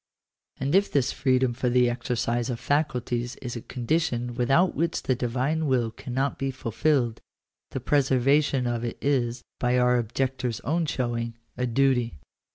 And if this freedom for the exercise of faculties is a condition without which the Divine will cannot be fulfilled, the preserva tion of it is, by our objectors own showing, a duty.